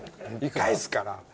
返すから。